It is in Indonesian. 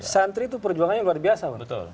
santri itu perjuangannya luar biasa